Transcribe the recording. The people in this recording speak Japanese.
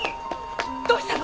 どうしたの？